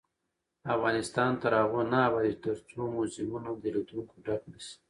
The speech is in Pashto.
افغانستان تر هغو نه ابادیږي، ترڅو موزیمونه د لیدونکو ډک نشي.